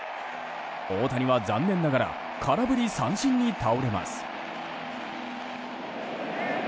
大谷は残念ながら空振り三振に倒れます。